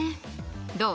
どう？